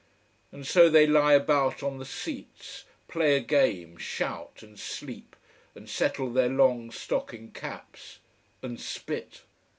And so they lie about on the seats, play a game, shout, and sleep, and settle their long stocking caps: and spit.